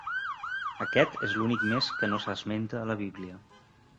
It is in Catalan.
Aquest és l'únic mes que no s'esmenta a la Bíblia.